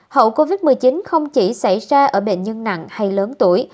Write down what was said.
hậu covid một mươi chín không chỉ xảy ra ở bệnh nhân nặng hay lớn tuổi